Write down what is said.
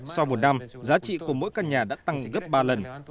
sau một năm giá trị của mỗi căn nhà đã tăng gấp ba lần